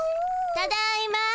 ただいま！